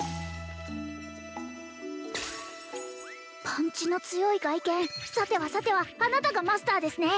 パンチの強い外見さてはさてはあなたがマスターですね！